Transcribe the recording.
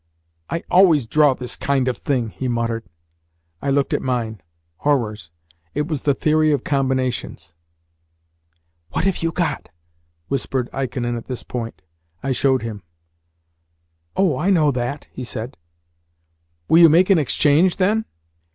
"I always draw this kind of thing," he muttered. I looked at mine. Horrors! It was the Theory of Combinations! "What have you got?" whispered Ikonin at this point. I showed him. "Oh, I know that," he said. "Will you make an exchange, then?"